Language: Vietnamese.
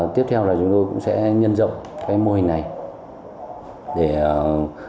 tiếp theo là chúng tôi cũng sẽ nhân dọc cái mô hình này để trở thành một cái dịch vụ phục vụ du lịch